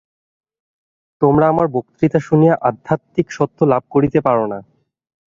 তোমরা আমার বক্তৃতা শুনিয়া আধ্যাত্মিক সত্য লাভ করিতে পার না।